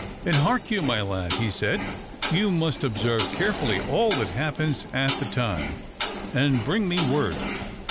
"And hark you, my lad," he said, "you must observe carefully all that happens at the time, and bring me word.